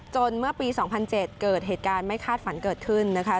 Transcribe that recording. เมื่อปี๒๐๐๗เกิดเหตุการณ์ไม่คาดฝันเกิดขึ้นนะคะ